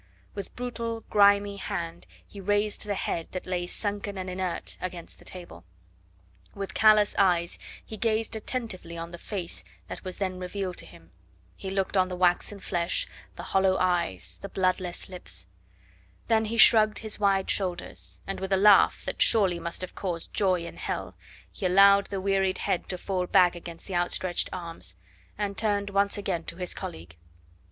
With brutal, grimy hand he raised the head that lay, sunken and inert, against the table; with callous eyes he gazed attentively on the face that was then revealed to him, he looked on the waxen flesh, the hollow eyes, the bloodless lips; then he shrugged his wide shoulders, and with a laugh that surely must have caused joy in hell, he allowed the wearied head to fall back against the outstretched arms, and turned once again to his colleague.